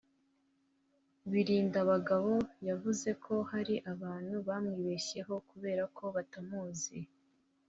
Birindabagabo yavuze ko hari abantu bamwibeshyeho kubera ko batamuzi